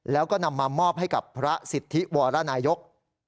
แล้วก็นำมามอบให้กับพระสิทธิวรนายก